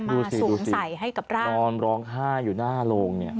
มาสูงใสให้กับร่างดูสิดูสิตอนร้องไห้อยู่หน้าโรงเนี่ย